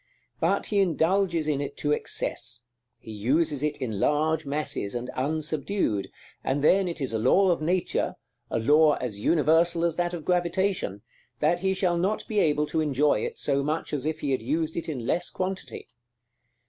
But he indulges in it to excess; he uses it in large masses, and unsubdued; and then it is a law of Nature, a law as universal as that of gravitation, that he shall not be able to enjoy it so much as if he had used it in less quantity.